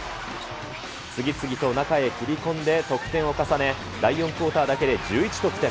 次々と中へ切り込んで得点を重ね、第４クオーターだけで１１得点。